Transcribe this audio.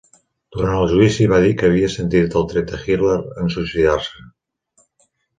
Durant el judici va dir que havia sentit el tret de Hitler en suïcidar-se.